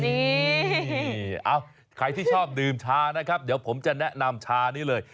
นี่ใครที่ชอบดื่มชานะครับเดี๋ยวผมจะแนะนำชานี้เลย